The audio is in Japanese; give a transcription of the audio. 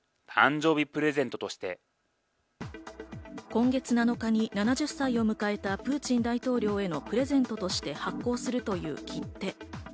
今月７日に７０歳を迎えたプーチン大統領へのプレゼントとして発行するという切手。